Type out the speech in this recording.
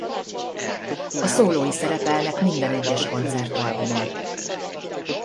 A szólói szerepelnek minden egyes koncertalbumon.